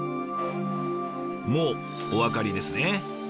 もうお分かりですね。